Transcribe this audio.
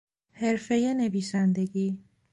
حرفهی نویسندگی